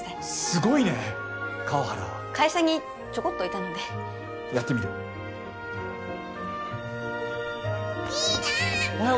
すごいね川原会社にちょこっといたのでやってみるリーダー